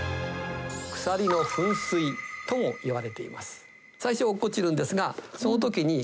「鎖の噴水」ともいわれています。